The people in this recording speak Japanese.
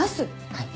はい。